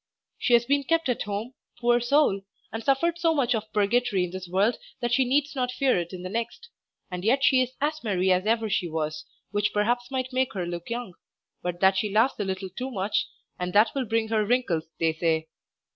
She has been kept at home, poor soul, and suffered so much of purgatory in this world that she needs not fear it in the next; and yet she is as merry as ever she was, which perhaps might make her look young, but that she laughs a little too much, and that will bring wrinkles, they say.